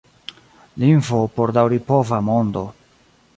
Lingvo por daŭripova mondo.